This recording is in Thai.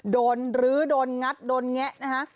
รื้อโดนงัดโดนแงะนะฮะ